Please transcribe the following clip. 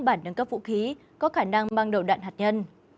bản nâng cấp vũ khí có khả năng mang đầu đạn hạt nhân